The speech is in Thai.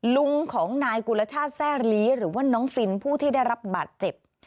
ลุงของนายกุลชาติแซ่ลีหรือว่าน้องฟินผู้ที่ได้รับบาดเจ็บ